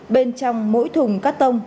bên trong mỗi thùng cắt tông